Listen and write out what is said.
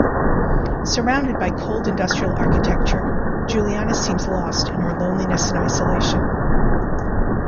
Surrounded by cold industrial architecture, Giuliana seems lost in her loneliness and isolation.